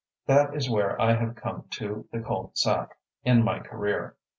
That is where I have come to the cul de sac in my career.